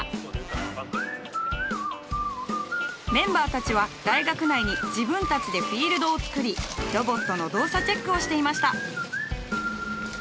メンバーたちは大学内に自分たちでフィールドをつくりロボットの動作チェックをしていました。